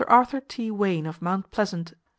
Arthur T. Wayne, of Mount Pleasant, S.C.